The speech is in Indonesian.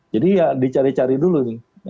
jadi ya dicari cari dulu nih